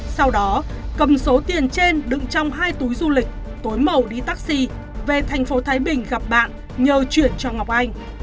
sau đó cầm số tiền trên đựng trong hai túi du lịch tối màu đi taxi về thành phố thái bình gặp bạn nhờ chuyển cho ngọc anh